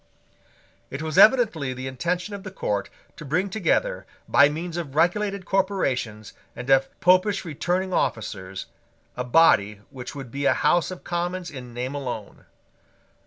It was evidently the intention of the court to bring together, by means of regulated corporations and of Popish returning officers, a body which would be a House of Commons in name alone.